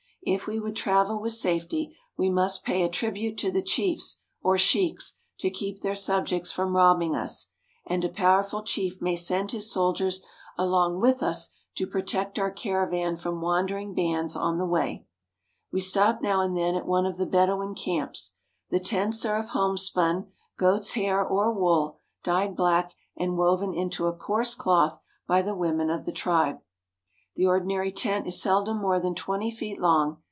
If we would travel with safety, we must pay a tribute to the chiefs, or sheiks, to keep their subjects from robbing us, and a powerful chief may send his soldiers along with us to protect our caravan from wandering bands on the way. We stop now and then at one of the Bedouin camps. The tents are of homespun, goat's hair, or wool, dyed black 340 ARABIA, OR LIFE IN THE DESERT and woven into a coarse cloth by the women of the tribe. The ordinary tent is seldom more than twenty feet. long.